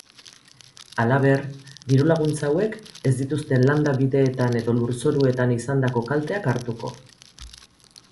Halaber, diru-laguntza hauek ez dituzte landa bideetan edo lurzoruetan izandako kalteak hartuko.